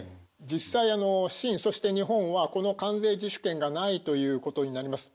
実際清そして日本はこの関税自主権がないということになります。